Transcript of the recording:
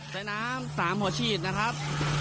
ใช้น้ำ๓หัวฉีดนะครับ